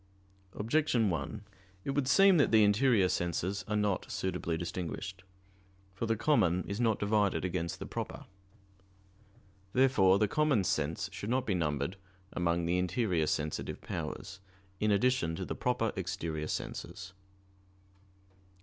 Objection 1: It would seem that the interior senses are not suitably distinguished. For the common is not divided against the proper. Therefore the common sense should not be numbered among the interior sensitive powers, in addition to the proper exterior senses. Obj.